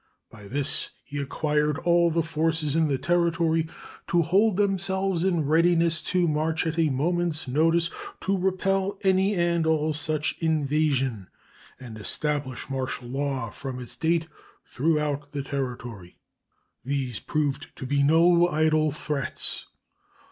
By this he required all the forces in the Territory to "hold themselves in readiness to march at a moment's notice to repel any and all such invasion," and established martial law from its date throughout the Territory. These proved to be no idle threats.